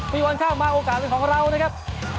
โอ้โหคนส่วนค่าวมาโอกาสเป็นของเรานะครับ